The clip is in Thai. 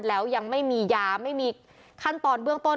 แล้วยังไม่มียาไม่มีขั้นตอนเบื้องต้น